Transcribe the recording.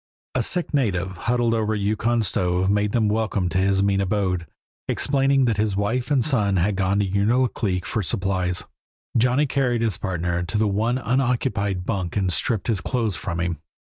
A sick native, huddled over a Yukon stove, made them welcome to his mean abode, explaining that his wife and son had gone to Unalaklik for supplies. Johnny carried his partner to the one unoccupied bunk and stripped his clothes from him.